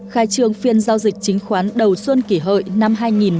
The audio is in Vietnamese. khai trương phiên giao dịch chứng khoán đầu xuân kỷ hợi năm hai nghìn một mươi chín